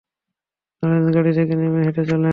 Lawrence, গাড়ি থেকে নেমে হেঁটে যাও।